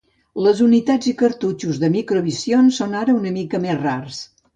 Les unitats i cartutxos de Microvision són ara una mica rars.